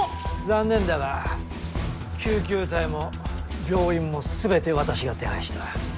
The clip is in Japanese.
残念だが救急隊も病院も全て私が手配した。